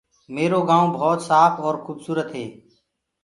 ميرو گائونٚ ڀوت سآڦ اور خوبسورت هي۔